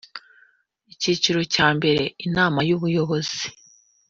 icyiciro cya mbere inama y ubuyobozi